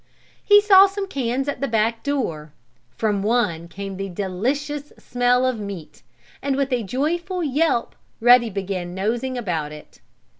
He saw some cans at the back door. From one came the delicious smell of meat, and with a joyful yelp Ruddy began nosing about it.